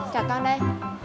chào con đây